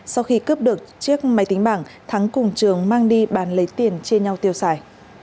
sau khi cướp được chiếc máy tính bảng thắng cùng trường mang đi bán lấy tiền chia nhau tiêu xài